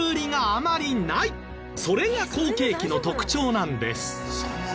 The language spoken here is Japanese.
それが好景気の特徴なんです。